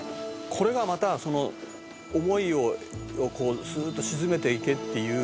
「これがまたその思いをスーッと静めていけっていう」